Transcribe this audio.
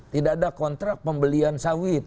tidak ada kontrak pembelian sawit